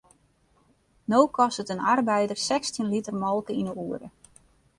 No kostet in arbeider sechstjin liter molke yn de oere.